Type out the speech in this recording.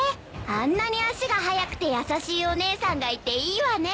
あんなに足が速くて優しいお姉さんがいていいわね。